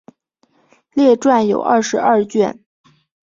列传有二十二卷。